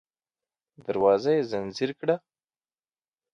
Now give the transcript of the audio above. دروازه يې ځنځير کړه.